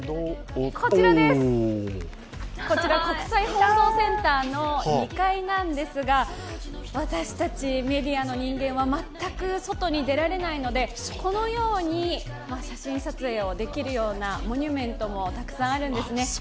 こちら、国際放送センターの２階なんですが、私たちメディアの人間は全く外に出られないのでこのように写真撮影をできるようなモニュメントもたくさんあるんですね。